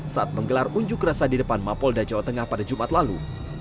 saat menggelar unjuk rasa di depan mapolda jawa tengah pada jumat lalu